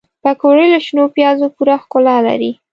پکورې له شنو پیازو پوره ښکلا لري